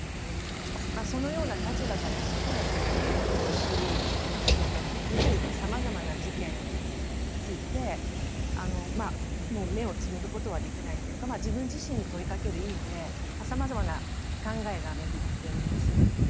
そのような立場からして今年統一教会をめぐるさまざまな事件についてもう目をつむることはできないというか自分自身に問いかける意味でさまざまな考えが巡っております。